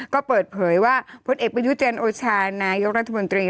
ก็เปิดเผยว่าพลเอกประยุจันโอชานายกรัฐมนตรี